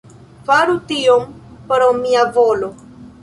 Faru tion pro mia volo.